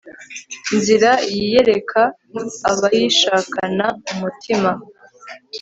nzira, yiyereka abayishakana umutima